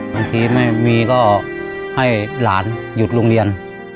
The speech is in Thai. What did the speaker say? บางทีไม่มีก็ให้หลานหยุดโรงเรียน